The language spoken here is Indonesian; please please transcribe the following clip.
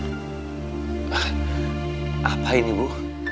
pak apa ini bu